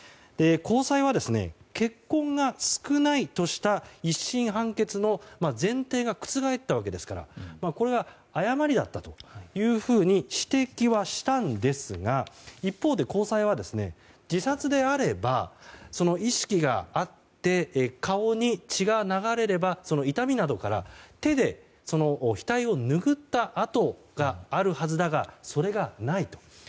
高裁は、血痕が少ないとした１審判決の前提が覆ったわけですからこれが誤りだったというふうに指摘はしたんですが一方で高裁は自殺であれば、意識があって顔に血が流れればその痛みなどから手でその額を拭った痕があるはずだがそれがないと。